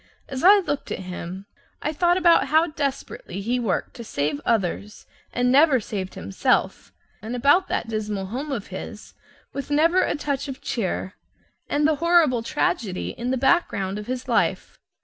As I looked at him, I thought about how desperately he worked to save others, and never saved himself, and about that dismal home of his, with never a touch of cheer, and the horrible tragedy in the background of his life.